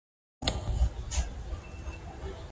ازادي راډیو د حیوان ساتنه په اړه د هر اړخیز پوښښ ژمنه کړې.